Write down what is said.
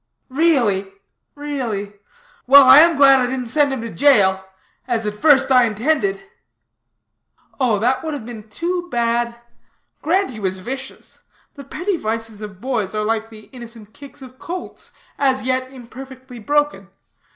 "Really, really well, I am glad I didn't send him to jail, as at first I intended." "Oh that would have been too bad. Grant he was vicious. The petty vices of boys are like the innocent kicks of colts, as yet imperfectly broken.